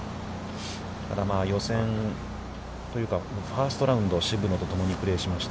予選というか、ファーストラウンドを渋野とプレーしました。